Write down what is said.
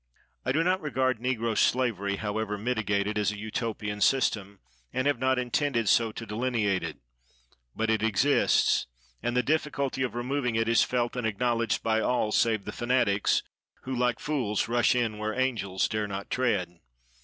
I do not regard negro slavery, however mitigated, as a Utopian system, and have not intended so to delineate it. But it exists, and the difficulty of removing it is felt and acknowledged by all, save the fanatics, who, like "fools, rush in where angels dare not tread."